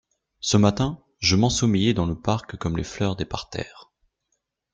Ce matin je m'ensommeillais dans le parc comme les fleurs des parterres.